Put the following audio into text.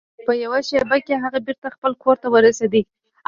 په یوه شیبه کې هغه بیرته خپل کور ته ورسید.